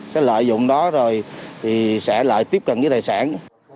sẽ lợi dụng đó rồi thì sẽ lại tiếp cận với tài sản